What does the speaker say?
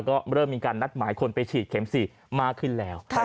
ก็เริ่มมีการนัดหมายคนไปฉีดเข็ม๔มากขึ้นแล้ว